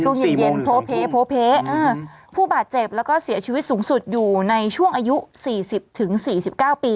ช่วงเย็นเย็นโพเพโพเพอืมอืมผู้บาดเจ็บแล้วก็เสียชีวิตสูงสุดอยู่ในช่วงอายุสี่สิบถึงสี่สิบเก้าปี